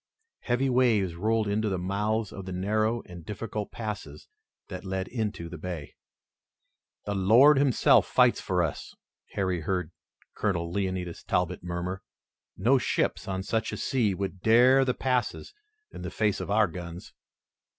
Heavy waves rolled into the mouths of the narrow and difficult passes that led into the bay. "The Lord Himself fights for us," Harry heard Colonel Leonidas Talbot murmur. "No ships on such a sea would dare the passes in the face of our guns."